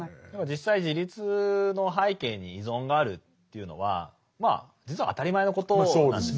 実際自立の背景に依存があるというのはまあ実は当たり前のことなんですよね。